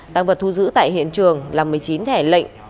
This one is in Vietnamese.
tăng vật thu giữ tại hiện trường là một mươi chín thẻ lệnh